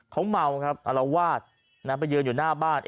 เขาเมาครับอารวาสไปยืนอยู่หน้าบ้าน